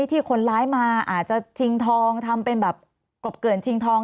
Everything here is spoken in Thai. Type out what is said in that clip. ที่คนร้ายมาอาจจะชิงทองทำเป็นแบบกบเกือนชิงทอง